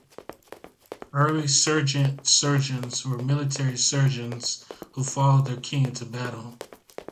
Early Serjeant Surgeons were military surgeons who followed their King into battle.